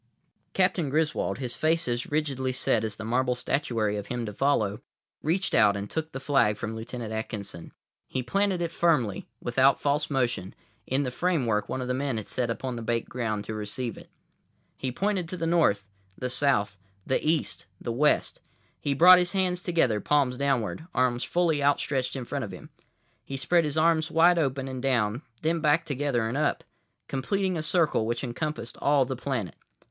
Captain Griswold, his face as rigidly set as the marble statuary of him to follow, reached out and took the flag from Lieutenant Atkinson. He planted it firmly, without false motion, in the framework one of the men had set upon the baked ground to receive it. He pointed to the north, the south, the east, the west. He brought his hands together, palms downward, arms fully out stretched in front of him. He spread his arms wide open and down, then back together and up; completing a circle which encompassed all the planet.